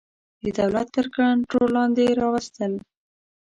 د دولت تر کنټرول لاندي راوستل.